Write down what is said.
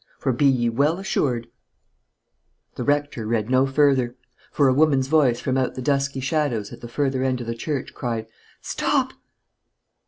For be ye well assured " The rector read no further; for a woman's voice from out the dusky shadows at the further end of the church cried "Stop!"